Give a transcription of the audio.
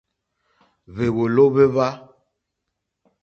Hwèwòló hwé hwa.